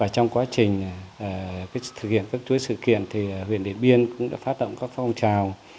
trong quá trình thực hiện các chuối sự kiện huyện điển biên cũng đã phát động các phong trào